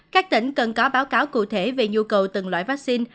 các tỉnh cần có báo cáo cụ thể về nhu cầu từng loại vaccine